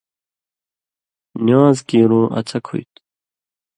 نِوان٘ز کیرُوں اڅھک ہُوئ تھُو۔